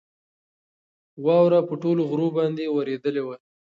واوره په ټولو غرو باندې ورېدلې وه.